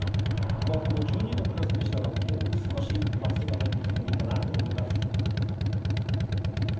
１２のクラスでしたらもう少しまっすぐ入ってきてもいいかなと思います。